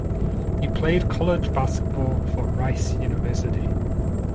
He played college basketball for Rice University.